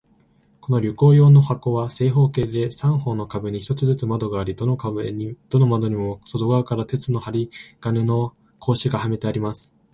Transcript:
この旅行用の箱は、正方形で、三方の壁に一つずつ窓があり、どの窓にも外側から鉄の針金の格子がはめてあります。